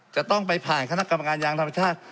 จะต้องไปผ่านคณะกรรมการยางธรรมชาติ